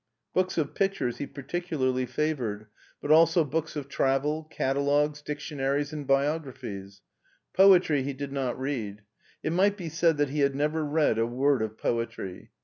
Books of pictures he particularly 270 MARTIN SCHOlER favored, but also books of travel, catalogs, dictionaries, and biographies. Poetry he did not read. It might be said that he had never read a word of poetry.